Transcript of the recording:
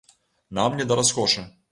Нам не да раскошы.